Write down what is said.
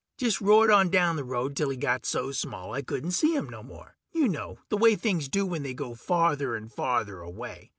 Just roared on down the road till he got so small I couldn't see him no more. You know the way things do when they go farther and farther away.